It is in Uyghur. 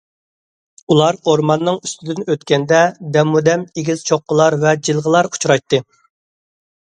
ئۇلار ئورماننىڭ ئۈستىدىن ئۆتكەندە دەممۇدەم ئېگىز چوققىلار ۋە جىلغىلار ئۇچرايتتى.